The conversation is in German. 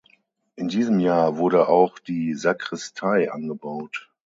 In diesem Jahr wurde auch die Sakristei angebaut.